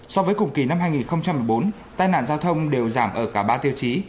so với cùng kỳ năm hai nghìn một mươi bốn tai nạn giao thông đều giảm ở cả ba tiêu chí